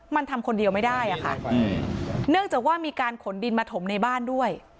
มันทำคนเดียวไม่ได้อะค่ะเนื่องจากว่ามีการขนดินมาถมในบ้านด้วย